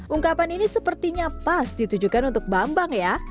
ungkapan ini sepertinya pas ditujukan untuk bambang ya